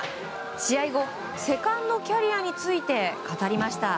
試合後セカンドキャリアについて語りました。